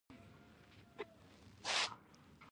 دوهم په اداره کې د سلسله مراتبو اصل دی.